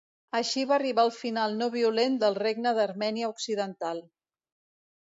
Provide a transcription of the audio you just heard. Així va arribar el final no violent del Regne d'Armènia Occidental.